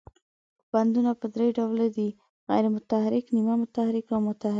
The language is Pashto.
بندونه په درې ډوله دي، غیر متحرک، نیمه متحرک او متحرک.